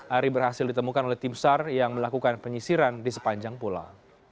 ari berhasil ditemukan oleh tim sar yang melakukan penyisiran di sepanjang pulau